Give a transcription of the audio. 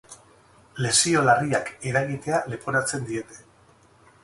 Lesio larriak eragitea leporatzen diete.